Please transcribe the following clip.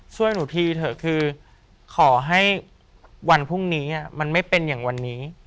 ช่วยหนูทีเถอะคือขอให้วันพรุ่งนี้มันไม่เป็นอย่างวันนี้